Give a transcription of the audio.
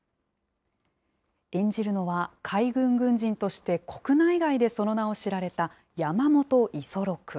演じるのは、海軍軍人として国内外でその名を知られた山本五十六。